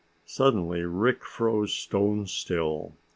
Suddenly Rick froze stone still.